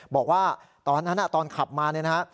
บอกว่าตอนนั้นตอนขับมาเนี่ยนะฮะ